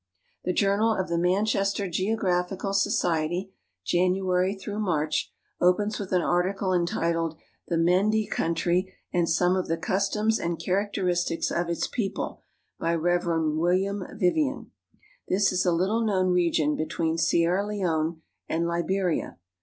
I'he Journal of the Manchester Geographical Society, January Mai ch , opens with an article entitled " The Mendi Country and Some of the Cus toms and Characteristics of its People," by Rev. William Vivian. This is a little known region between Sierra Leone and Liberia.